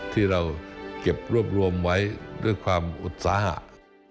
ที่เราเก็บรวบรวมไว้ด้วยความอุตสาหะ